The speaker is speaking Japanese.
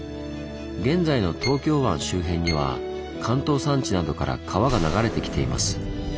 現在の東京湾周辺には関東山地などから川が流れてきています。